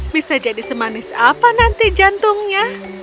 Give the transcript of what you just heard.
bisa jadi semanis apa nanti jantungnya